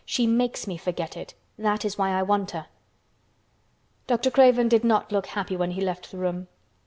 "She makes me forget it. That is why I want her." Dr. Craven did not look happy when he left the room.